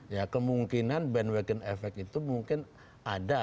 ya kemungkinan bandwagon efek itu mungkin ada